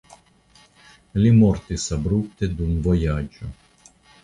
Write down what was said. Li mortis abrupte dum vojaĝo.